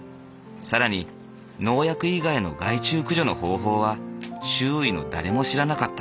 更に農薬以外の害虫駆除の方法は周囲の誰も知らなかった。